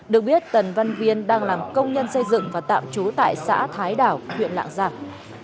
được biết tần văn viên đang làm công nhân xây dựng và tạm trú tại xã thái đảo huyện lạng giang